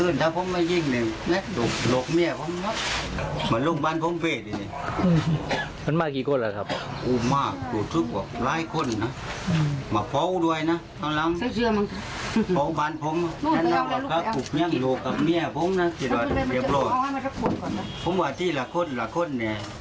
นายประพันธ์บอกไม่ไหวค่ะแบบนี้กลัวมากนะคะ